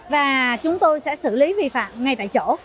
và chúng tôi sẽ xử lý việc